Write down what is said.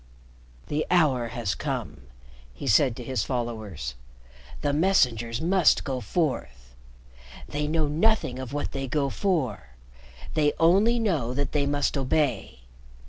"The hour has come," he said to his followers. "The messengers must go forth. They know nothing of what they go for; they only know that they must obey.